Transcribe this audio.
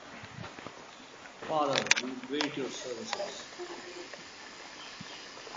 Father, we wait your services.